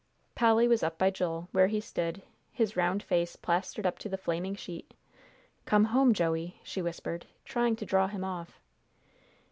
Polly was up by Joel, where he stood, his round face plastered up to the flaming sheet. "Come home, Joey," she whispered, trying to draw him off.